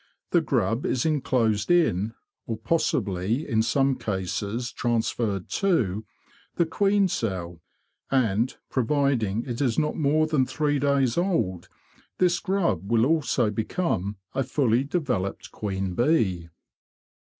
The grub is enclosed in, or possibly in some cases transferred to, the queen cell; and, providing it is not more than three days old, this grub will also become a fully developed queen bee.